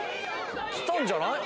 きたんじゃない？